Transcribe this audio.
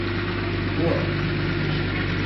город